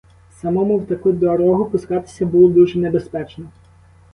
Самому в таку дорогу пускатися було дуже небезпечно.